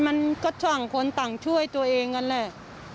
มันก็ช่างคนต่างช่วยตัวเองนั่นแหละ